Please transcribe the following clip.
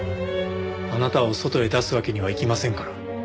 あなたを外へ出すわけにはいきませんから。